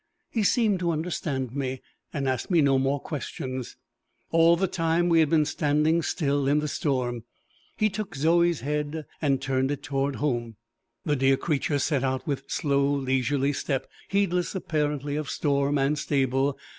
He seemed to understand me, and asked me no more questions. All the time, we had been standing still in the storm. He took Zoe's head and turned it toward home. The dear creature set out with slow leisurely step, heedless apparently of storm and stable.